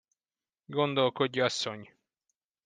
Gondolkodj, asszony!